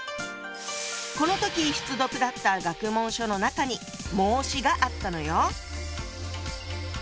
この時必読だった学問書の中に「孟子」があったのよ！